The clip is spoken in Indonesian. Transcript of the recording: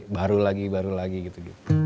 baru lagi baru lagi gitu